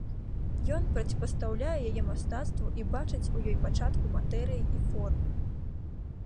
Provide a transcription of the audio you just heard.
Ён проціпастаўляе яе мастацтву і бачыць у ёй пачатку матэрыі і формы.